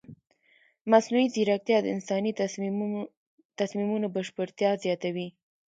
مصنوعي ځیرکتیا د انساني تصمیمونو بشپړتیا زیاتوي.